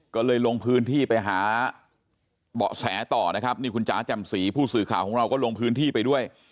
ก็เลยลงพื้นที่ไปหาเบาะแสต่อนะครับนี่คุณจ๋าแจ่มสีผู้สื่อข่าวของเราก็ลงพื้นที่ไปด้วย